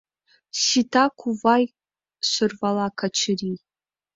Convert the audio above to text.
— Сита, кувай, — сӧрвала Качырий.